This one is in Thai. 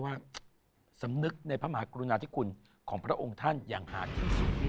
ด้วยความรักด้วยพักดี